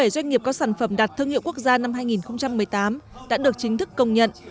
bảy doanh nghiệp có sản phẩm đạt thương hiệu quốc gia năm hai nghìn một mươi tám đã được chính thức công nhận